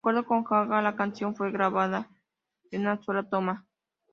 De acuerdo con Gaga, la canción fue grabada en una sola toma.